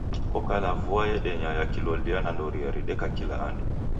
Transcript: Kokala vua yedonya ya kilolia na ndoria rideka kila andu